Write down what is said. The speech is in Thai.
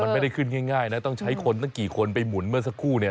มันไม่ได้ขึ้นง่ายนะต้องใช้คนตั้งกี่คนไปหมุนเมื่อสักครู่เนี่ย